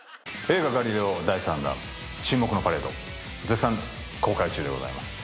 映画『ガリレオ』第３弾『沈黙のパレード』絶賛公開中でございます。